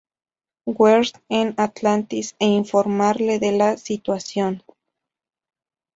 Weir en Atlantis e informarle de la situación.